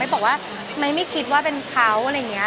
บอกว่าไม้ไม่คิดว่าเป็นเขาอะไรอย่างนี้